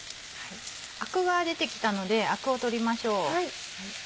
アクが出て来たのでアクを取りましょう。